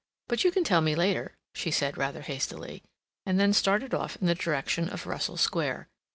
But you can tell me later," she said, rather hastily, and then started off in the direction of Russell Square.